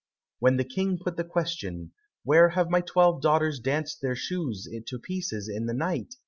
When the King put the question, "Where have my twelve daughters danced their shoes to pieces in the night?"